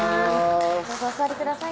どうぞお座りください